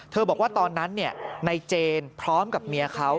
บอกว่าตอนนั้นในเจนพร้อมกับเมียเขา